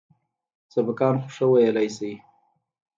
سبقان خو ښه ويلى سئ.